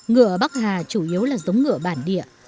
ngựa bắc hà chủ yếu là giống ngựa bản địa